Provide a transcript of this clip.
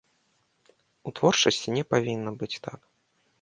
У творчасці не павінна быць так.